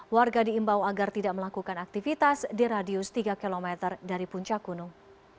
warga diimbau agar tidak melakukan aktivitas di radius tiga km dari puncak gunung